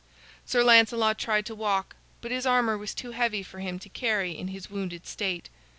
Sir Lancelot tried to walk, but his armor was too heavy for him to carry in his wounded state.